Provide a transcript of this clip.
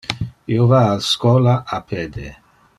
Io va al schola a pede.